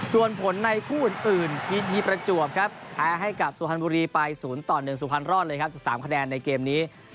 ส่วนผลในคู่อื่นพีทีประจวบครับแพ้ให้กับสุพรรณบุรีไป๐ต่อ๑สุพรรณรอดเลยครับ๑๓คะแนนในเกมนี้